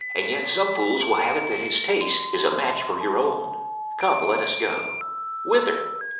"And yet some fools will have it that his taste is a match for your own." "Come, let us go." "Whither?"